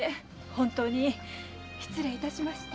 本当に失礼いたしました。